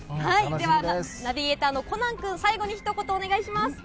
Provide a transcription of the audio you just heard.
ではナビゲーターのコナン君、最後に一言お願いします。